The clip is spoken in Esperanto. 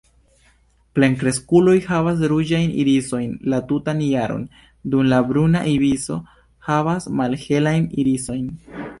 Plenkreskuloj havas ruĝajn irisojn la tutan jaron, dum la Bruna ibiso havas malhelajn irisojn.